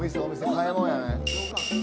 買い物やね。